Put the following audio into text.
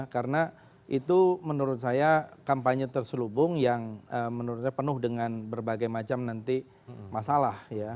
karena itu menurut saya kampanye terselubung yang menurut saya penuh dengan berbagai macam nanti masalah